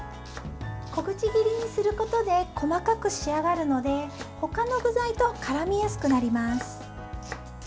小口切りにすることで細かく仕上がるので他の具材とからみやすくなります。